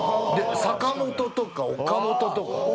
坂本とか岡本とか。